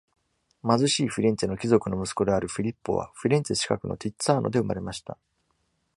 貧しいフィレンツェの貴族の息子であるフィリッポは、フィレンツェ近くのティッツァーノで生まれました。